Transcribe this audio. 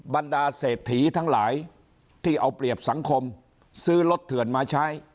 บรรดาเศรษฐีทั้งหลายที่เอาเปรียบสังคมซื้อรถเถื่อนมาใช้